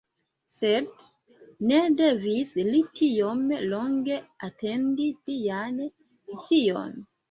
Sed, ne devis li tiom longe atendi plian scion.